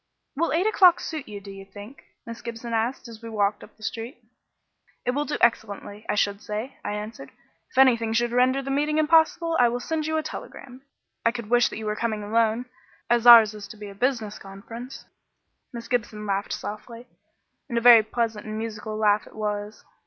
"Will eight o'clock suit you, do you think?" Miss Gibson asked, as we walked up the street. "It will do excellently, I should say," I answered. "If anything should render the meeting impossible I will send you a telegram. I could wish that you were coming alone, as ours is to be a business conference." Miss Gibson laughed softly and a very pleasant and musical laugh it was.